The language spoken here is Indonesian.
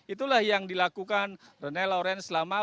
itulah yang dilakukan rene lawrence selama